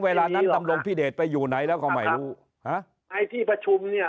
เวลานั้นดำรงพิเดชไปอยู่ไหนแล้วก็ไม่รู้ฮะไอ้ที่ประชุมเนี่ย